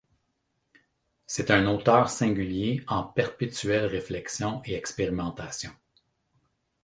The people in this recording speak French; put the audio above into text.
C'est un auteur singulier, en perpétuelle réflexion et expérimentation.